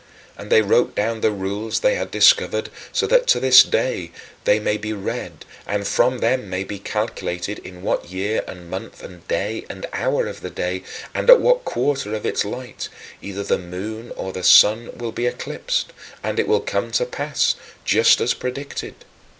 And they wrote down the rules they had discovered, so that to this day they may be read and from them may be calculated in what year and month and day and hour of the day, and at what quarter of its light, either the moon or the sun will be eclipsed, and it will come to pass just as predicted.